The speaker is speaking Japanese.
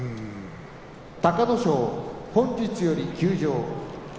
隆の勝本日より休場。